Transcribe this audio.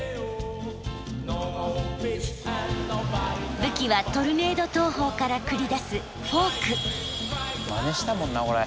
武器はトルネード投法から繰り出すまねしたもんなこれ。